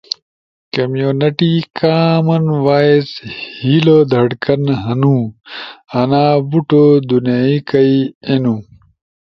کمیونٹی کامن وائس ہیلو دھڑکن ہنو۔ انا بوٹو دونئی کئی اینو۔